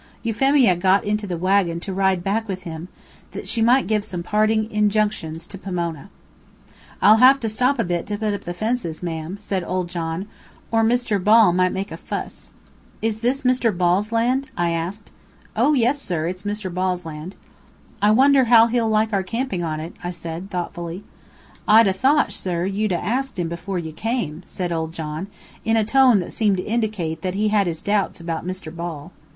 Euphemia got into the wagon to ride back with him, that she might give some parting injunctions to Pomona. "I'll have to stop a bit to put up the fences, ma'am," said old John, "or Misther Ball might make a fuss." "Is this Mr. Ball's land?" I asked. "Oh yes, sir, it's Mr. Ball's land." "I wonder how he'll like our camping on it?" I said, thoughtfully. "I'd 'a' thought, sir, you'd 'a' asked him that before you came," said old John, in a tone that seemed to indicate that he had his doubts about Mr. Ball.